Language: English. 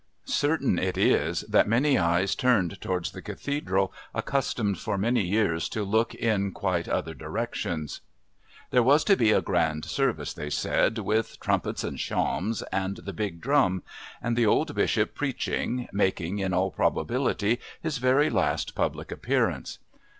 Certain it is that many eyes turned towards the Cathedral accustomed for many years to look in quite other directions. There was to be a grand service, they said, with "trumpets and shawms" and the big drum, and the old Bishop preaching, making, in all probability, his very last public appearance.